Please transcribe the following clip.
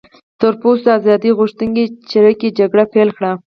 تور پوستو ازادي غوښتونکو چریکي جګړه پیل کړه.